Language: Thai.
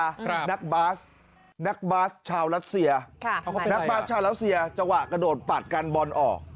ครับนักบาสนักบาสชาวรัสเซียค่ะนักบาสชาวรัสเซียจังหวะกระโดดปัดกันบอลออก